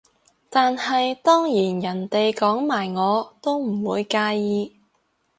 但係當然人哋講埋我都唔會介意